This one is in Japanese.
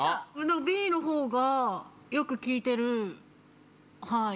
Ｂの方がよく聴いてるはい。